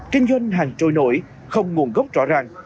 kinh doanh hàng trôi nổi không nguồn gốc rõ ràng